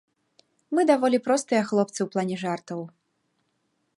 Мы даволі простыя хлопцы ў плане жартаў.